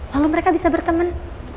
lalu mereka bisa berteman